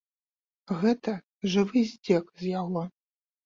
Гэта жывы здзек з яго!